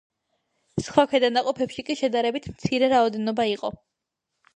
სხვა ქვედანაყოფებში კი შედარებით მცირე რაოდენობა იყო.